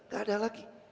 gak ada lagi